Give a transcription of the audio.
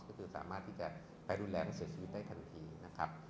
ก็คือสามารถที่จะแพ้รุนแรงเสร็จดีดให้ทันทีนะครับ